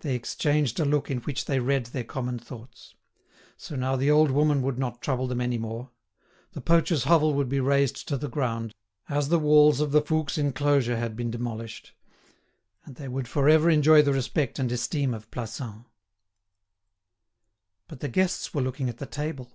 They exchanged a look in which they read their common thoughts: so now the old woman would not trouble them any more: the poacher's hovel would be razed to the ground, as the walls of the Fouques' enclosure had been demolished; and they would for ever enjoy the respect and esteem of Plassans. But the guests were looking at the table.